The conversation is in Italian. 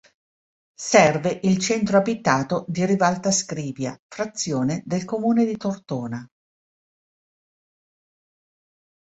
Serve il centro abitato di Rivalta Scrivia, frazione del comune di Tortona.